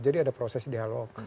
jadi ada proses dialog